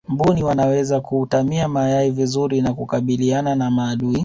mbuni wanaweza kuatamia mayai vizuri na kukabiliana na maadui